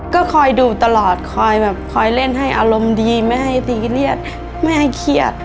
ก็คอยดูตลอดคอยแบบคอยเล่นให้อารมณ์ดีไม่ให้ซีเรียสไม่ให้เครียด